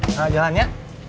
otak jalan ya